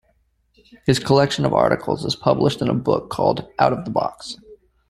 His collection of articles is published in a book called Out of the Box.